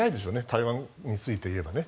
台湾についていえばね。